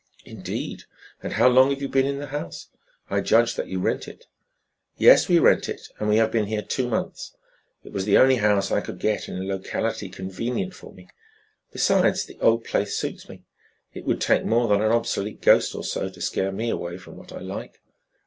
"Indeed! and how long have you been in the house? I judge that you rent it?" "Yes, we rent it and we have been here two months. It was the only house I could get in a locality convenient for me; besides, the old place suits me. It would take more than an obsolete ghost or so to scare me away from what I like."